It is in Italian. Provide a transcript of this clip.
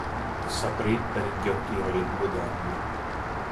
S'aprì per inghiottire le due donne.